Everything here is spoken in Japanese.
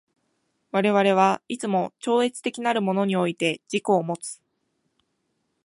我々はいつも超越的なるものにおいて自己をもつ。